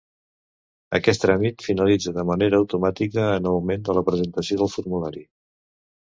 Aquest tràmit finalitza de manera automàtica en el moment de la presentació del formulari.